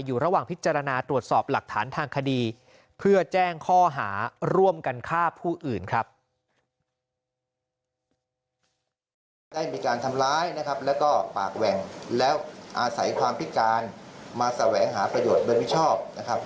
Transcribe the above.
อยู่ระหว่างพิจารณาตรวจสอบหลักฐานทางคดีเพื่อแจ้งข้อหาร่วมกันฆ่าผู้อื่นครับ